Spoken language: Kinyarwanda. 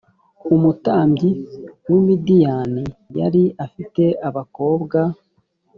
umutambyi w i midiyani yari afite abakobwa